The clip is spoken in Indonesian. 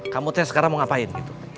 kamu teh sekarang mau ngapain